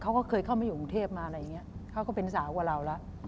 เขาก็เคยเข้ามาอยู่กรุงเทพมาอะไรอย่างเงี้ยเขาก็เป็นสาวกว่าเราแล้ว